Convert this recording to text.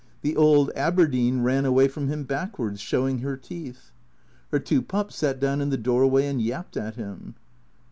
The old Aberdeen ran away from him backwards, showing her teeth. Her two pups sat down in the doorway and yapped at him.